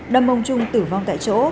đâm ông trung tử vong tại chỗ